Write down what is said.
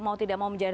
mau tidak mau menjadi